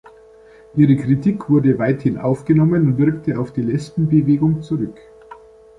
Ihre Kritik wurde weithin aufgenommen und wirkte auf die Lesbenbewegung zurück.